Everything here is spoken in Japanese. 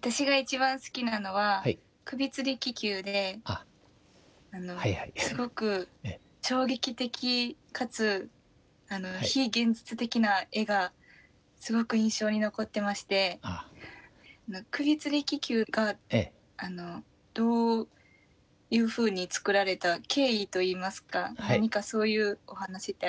私が一番好きなのは「首吊り気球」ですごく衝撃的かつ非現実的な絵がすごく印象的に残ってまして「首吊り気球」がどういうふうに作られた経緯といいますか何かそういうお話ってありますか？